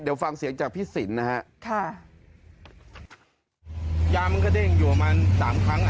เดี๋ยวฟังเสียงจากพี่สินนะฮะค่ะยามันก็เด้งอยู่ประมาณสามครั้งอ่ะ